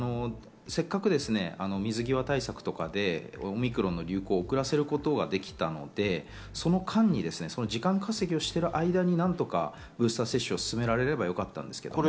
せっかく水際対策などでオミクロンの流行を遅らせることができたので、その間に時間稼ぎをしている間にブースター接種を進められればよかったんですが。